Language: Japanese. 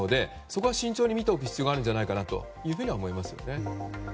そこは慎重に見ておく必要があるんじゃないかと思います。